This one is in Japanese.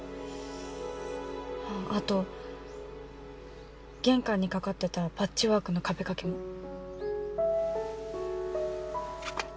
あと玄関にかかってたパッチワークの壁掛けも。